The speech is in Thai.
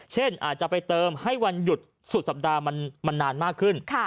เช่นอาจจะไปเติมให้วันหยุดสุดสัปดาห์มันนานมากขึ้น